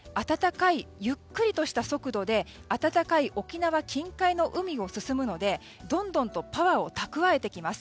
ゆっくりとした速度で温かい沖縄近海の海を進むので、どんどんとパワーを蓄えてきます。